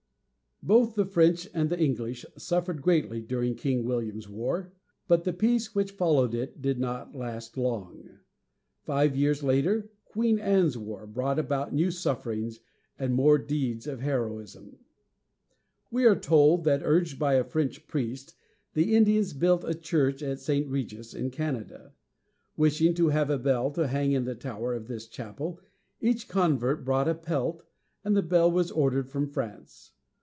Both the French and the English suffered greatly during King William's War, but the peace which followed it did not last long. Five years later, "Queen Anne's War" brought about new sufferings, and more deeds of heroism. We are told that, urged by a French priest, the Indians built a church at St. Re´gis, in Canada. Wishing to have a bell to hang in the tower of this chapel, each convert brought a pelt, and the bell was ordered from France.